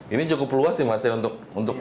ini cukup luas sih mas ya untuk nutup